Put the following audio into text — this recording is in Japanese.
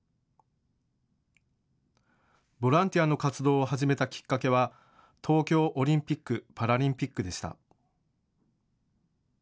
ボランティアの活動を始めたきっかけは東京オリンピック・パラリンピックでした。